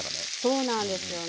そうなんですよね